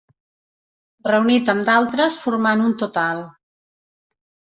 Reunit amb d'altres formant un total.